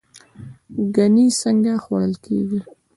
ګنی څنګه خوړل کیږي؟